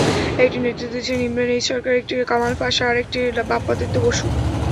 একটির নেতৃত্ব দিচ্ছেন ইমরান এইচ সরকার, একটির কামাল পাশা আরেকটির বাপ্পাদিত্য বসু।